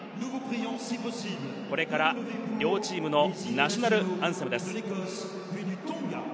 これから両チームのナショナルアンセムです。